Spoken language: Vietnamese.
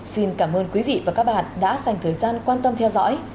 xin cảm ơn quý vị và các bạn đã dành thời gian quan tâm theo dõi